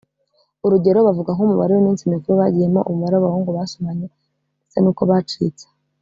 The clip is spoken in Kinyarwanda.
urugero bavuga nk’umubare w’iminsi mikuru bagiyemo umubare w’abahungu basomanye ndetse n’uko bacitse